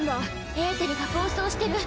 エーテルが暴走してる。